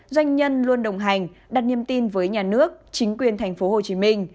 doanh nhân luôn đồng hành đặt niềm tin với nhà nước chính quyền tp hcm